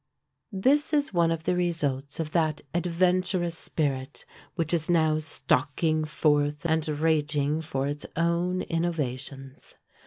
This is one of the results of that adventurous spirit which is now stalking forth and raging for its own innovations.